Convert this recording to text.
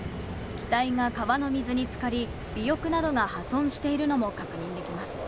機体が川の水につかり、尾翼などが破損しているのも確認できます。